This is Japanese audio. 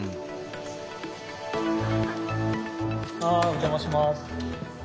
お邪魔します。